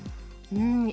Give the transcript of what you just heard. うん。